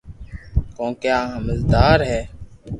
ڪونڪھ آ ھمجدار ھي